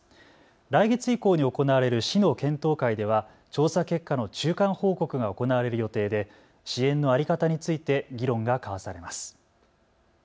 来月以降に行われる市の検討会では調査結果の中間報告が行われる予定で支援の在り方について議論が交わされます。